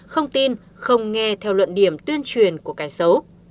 không tin không nghe theo luận điểm tuyên truyền của kẻ xấu